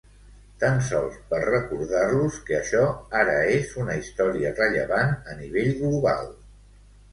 Tan sols per recordar-los que això ara és una història rellevant a nivell global.